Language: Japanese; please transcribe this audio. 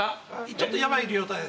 ちょっとヤバい状態で。